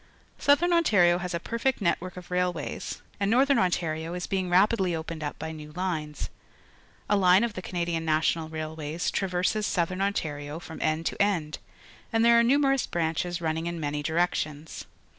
— Southern Ontario has a perfect net work of railway's, and Northern Ontario is being rapidly opened up by new lines. A line of the Canadian National Railways traverses Southern Ontario from end to end, and there are numerous branches running in many directions.